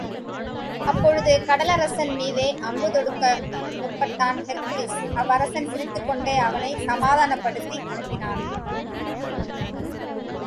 அப்பொழுது கடலரசன் மீதே அம்பு தொடுக்க முற்பட்டான் ஹெர்க்குலிஸ், அவ்வரசன் சிரித்துக்கொண்டே, அவனைச் சமாதானப்படுத்தி அனுப்பினான்.